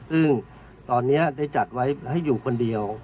ซึ่งตอนนี้ได้จัดไว้ให้อยู่คนเดียว